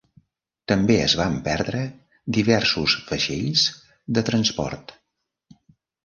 També es van perdre diversos vaixells de transport.